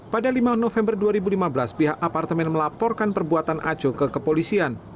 pada lima november dua ribu lima belas pihak apartemen melaporkan perbuatan aco ke kepolisian